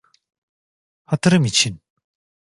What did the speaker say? Hatırım için.